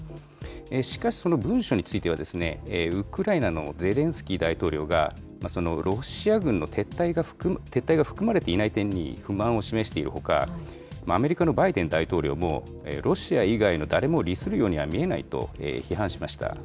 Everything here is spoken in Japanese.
しかし、その文書については、ウクライナのゼレンスキー大統領が、そのロシア軍の撤退が含まれていない点に不満を示しているほか、アメリカのバイデン大統領も、ロシア以外の誰も利するようには見えないと批判しました。